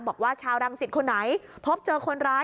บอกว่าชาวรังสิตคนไหนพบเจอคนร้าย